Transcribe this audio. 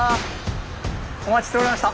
お待ちしておりました。